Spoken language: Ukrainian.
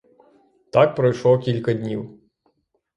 Так пройшло кілька днів.